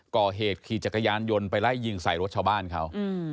ก่อเหตุขี่จักรยานยนต์ไปไล่ยิงใส่รถชาวบ้านเขา